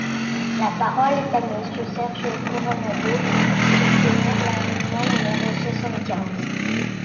La parole est à Monsieur Sergio Coronado, pour soutenir l’amendement numéro soixante-quinze.